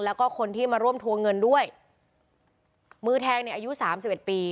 แล้วก็คนที่มาร่วมทวงเงินด้วยมือแทงเนี่ยอายุสามสิบเอ็ดปี